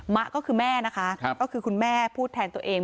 มะก็คือแม่นะคะก็คือคุณแม่พูดแทนตัวเอง